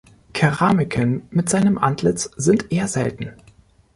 Keramiken mit seinem Antlitz sind eher selten.